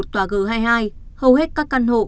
tòa g hai mươi hai hầu hết các căn hộ